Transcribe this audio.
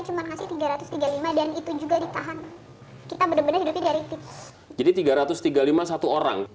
cuma ngasih tiga ratus tiga puluh lima dan itu juga ditahan kita bener bener hidupnya dari jadi tiga ratus tiga puluh lima satu orang